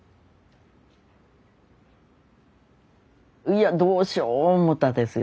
いやどうしよう思うたですよ。